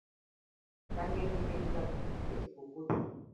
Kangenyingenyi kathuthu keshi kukuta.